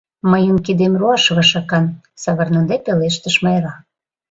— Мыйын кидем руаш вашакан, — савырныде пелештыш Майра.